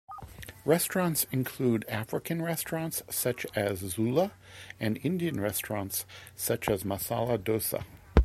Restaurants include African restaurants such as Zula, and Indian restaurants such as Masala Dosa.